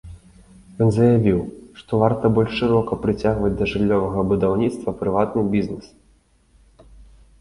Ён заявіў, што варта больш шырока прыцягваць да жыллёвага будаўніцтва прыватны бізнэс.